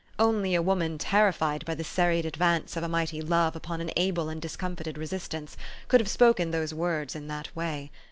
Only a woman terrified by the serried advance of a mighty love upon an able and discomfited resistance, could have spoken those words in that way.